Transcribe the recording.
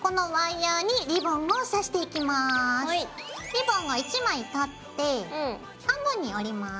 リボンを１枚取って半分に折ります。